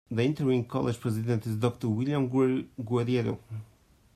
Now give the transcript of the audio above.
The interim college president is Doctor William Guerriero.